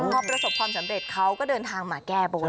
พอประสบความสำเร็จเขาก็เดินทางมาแก้บน